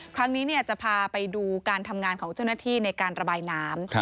ครั้งนี้จะพาไปดูการทำงานของเจ้าหน้าที่ในการระบายน้ำ